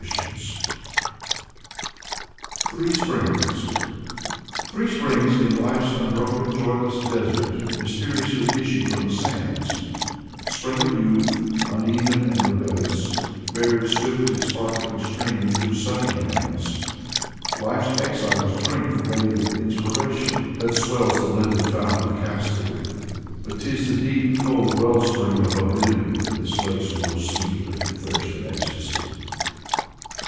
Alexander Pushkin THREE SPRINGS 1 Three springs in life's unbroken joyless desert Mysteriously issue from the sands: The spring of youth, uneven and rebellious, ' Bears swift its sparkling stream through sunny lands; Life's exiles drink the wave of inspiration That swells the limpid fount of Castaly; But 'tis the deep, cold wellspring of oblivion That slakes most sweetly thirst and ecstasy. ^ Tr. by Avrahm Yarmolinsky.